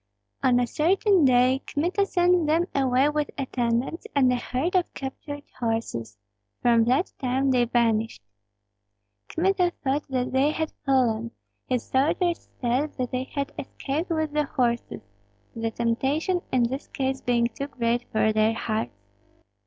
On a certain day Kmita sent them away with attendants and a herd of captured horses; from that time they vanished. Kmita thought that they had fallen; his soldiers said that they had escaped with the horses, the temptation in this case being too great for their hearts.